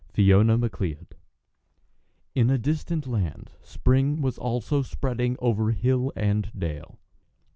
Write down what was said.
FIONA MACLEOD. In a distant land Spring was also spreading over hill and dale.